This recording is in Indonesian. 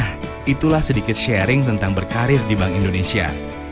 nah itulah sedikit sharing tentang berkarir di bank indonesia